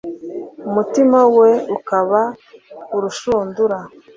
umutima we ukaba urushundura